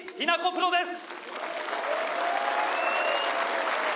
プロです。